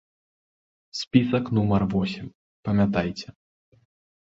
Спісак нумар восем, памятайце!